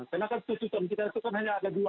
karena kan itu kan hanya ada dua